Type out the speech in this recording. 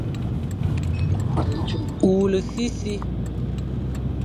Wule sisi,